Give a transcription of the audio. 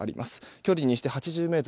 距離にして８０ｍ。